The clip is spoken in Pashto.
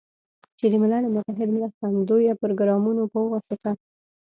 چې د ملل متحد مرستندویه پروګرامونو په واسطه